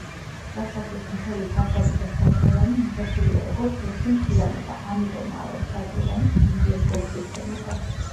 სასახლის მთელი ფასადი და შადრევანი მიღებულია, როგორც ერთი მთლიანობა, ამიტომაა, რომ შადრევანი გრანდიოზულად გვეჩვენება.